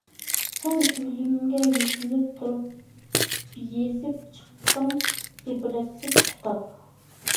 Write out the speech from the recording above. سەن ئۆلۈمگە يۈزلىنىپ تۇرۇپ، يېزىپ چىقتىڭ ئىبرەتلىك كىتاب.